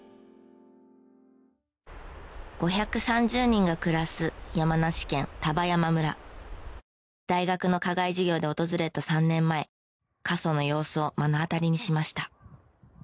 ５３０人が暮らす大学の課外授業で訪れた３年前過疎の様子を目の当たりにしました。